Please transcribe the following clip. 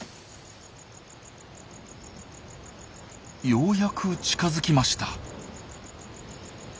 ようやく近づきました。